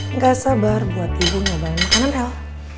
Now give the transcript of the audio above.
nggak sabar buat ibu nyobain makanan l